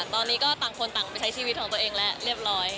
ตอนนี้ก็ต่างคนต่างไปใช้ชีวิตของตัวเองแล้วเรียบร้อย